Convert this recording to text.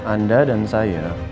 anda dan saya